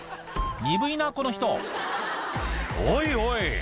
鈍いなこの人「おいおい